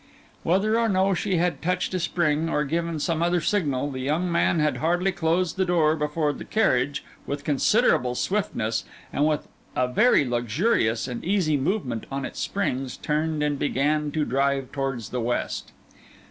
Whether or no she had touched a spring, or given some other signal, the young man had hardly closed the door before the carriage, with considerable swiftness, and with a very luxurious and easy movement on its springs, turned and began to drive towards the west.